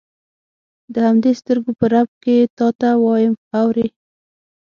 د همدې سترګو په رپ کې تا ته وایم اورې.